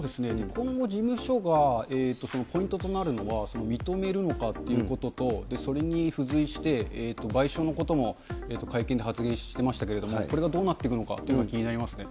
今後、事務所がポイントとなるのが、認めるのかということと、それに付随して、賠償のことも会見で発言してましたけれども、これがどうなっていくのかというのが気になりますね。